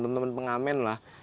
teman teman pengamen lah